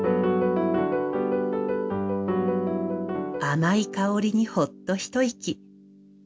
甘い香りにほっとひと息。